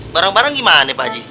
barang barang gimana pak haji